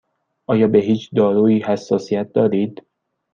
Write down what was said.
آیا به هیچ دارویی حساسیت دارید؟